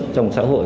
trong xã hội